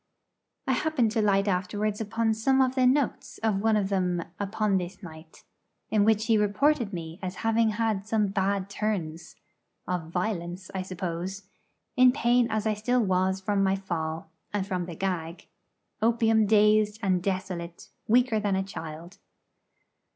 I happened to light afterwards upon the 'notes' of one of them upon this night, in which he reported me as having had some 'bad turns' of violence, I suppose in pain as I still was from my fall, and from the gag; opium dazed and desolate, weaker than a child.